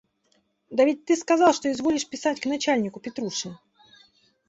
– Да ведь ты сказал, что изволишь писать к начальнику Петруши.